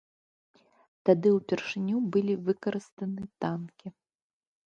Тады ўпершыню былі выкарыстаны танкі.